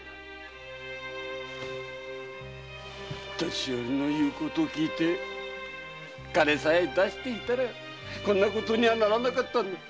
年寄りの言うことをきいて金さえ出していたらこんなことにはならなかったのだ。